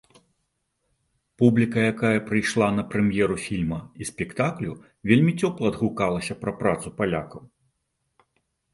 Публіка, якая прыйшла на прэм'еру фільма і спектаклю вельмі цёпла адгукалася пра працу палякаў.